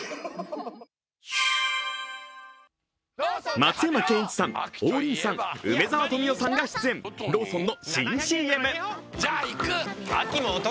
松山ケンイチさん、王林さん、梅沢富美男さんが出演、ローソンの新ＣＭ。